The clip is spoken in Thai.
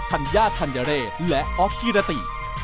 ทันยาทันยะเรดและอ๊อกกี้ระติ